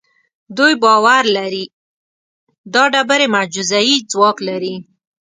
دوی باور لري دا ډبرې معجزه اي ځواک لري.